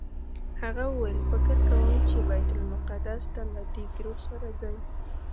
هغه وویل فکر کوم چې بیت المقدس ته له دې ګروپ سره ځئ.